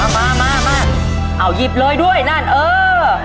มามาเอาหยิบเลยด้วยนั่นเออ